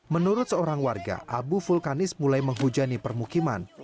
menurut seorang warga abu vulkanis mulai menghujani permukiman